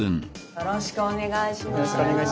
よろしくお願いします。